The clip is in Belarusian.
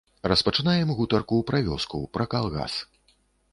Распачынаем гутарку пра вёску, пра калгас.